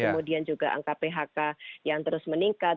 kemudian juga angka phk yang terus meningkat